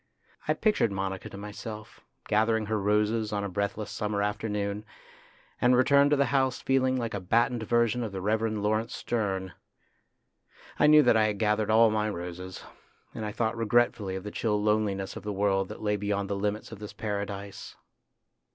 I pictured Monica to myself, gathering her roses on a breathless summer afternoon, and returned to the house feeling like a battened version of the Reverend Laurence Sterne. I knew that I had gathered all my roses, and I thought regretfully of the chill loneliness of the world that lay beyond the limits of this paradise.